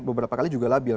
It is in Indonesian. beberapa kali juga labil